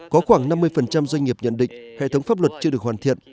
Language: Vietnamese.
có khoảng năm mươi doanh nghiệp nhận định hệ thống pháp luật chưa được hoàn thiện